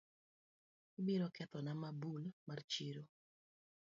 Ibiro kethona mabul mar chiro